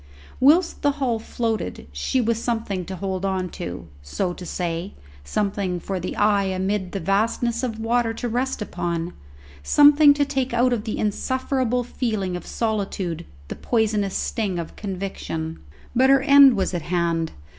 Whilst the hull floated she was something to hold on to, so to say, something for the eye amid the vastness of water to rest upon, something to take out of the insufferable feeling of solitude the poisonous sting of conviction. But her end was at hand.